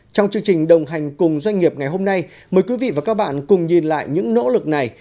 trong chương trình đồng hành cùng doanh nghiệp ngày hôm nay mời quý vị và các bạn cùng nhìn lại những nỗ lực này